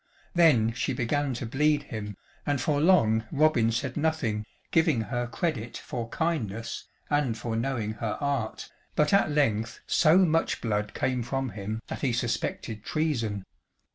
Then she began to bleed him, and for long Robin said nothing, giving her credit for kindness and for knowing her art, but at length so much blood came from him that he suspected treason.